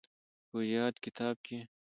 په ياد کتاب کې